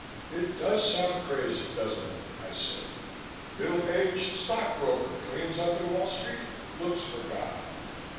"It does sound crazy, doesn't it?" I said. "'Middle aged Stock Broker Cleans up in Wall Street, Looks for God.'